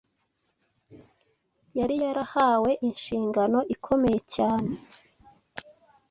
Yari yarahawe inshingano ikomeye cyane.